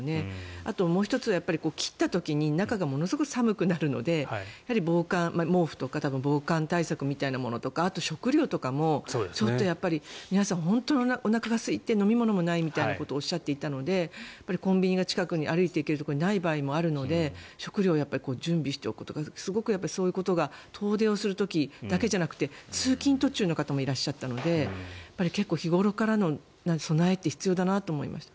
あともう１つ、切った時に中がものすごく寒くなるので防寒、毛布とか防寒対策みたいなものとかあと食料とかも皆さん本当におなかがすいて飲み物がないみたいなこともおっしゃっていたのでコンビニが近くに歩いて行けるところにない場合もあるので食料は準備しておくことがすごくそういうことが遠出をする時だけじゃなくて通勤途中の方もいらっしゃったので結構、日頃からの備えって必要だなと思いました。